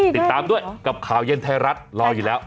ติดตามด้วยกับข่าวเย็นไทยรัฐรออยู่แล้ว